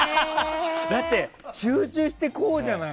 だって、集中してこうじゃない。